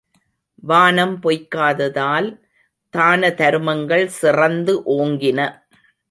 வானம் பொய்க்காததால் தான தருமங்கள் சிறந்து ஓங்கின.